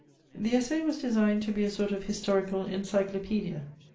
The Essai ^as designed to be a sort of historical encyclo paedia.